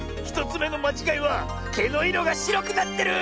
１つめのまちがいはけのいろがしろくなってる！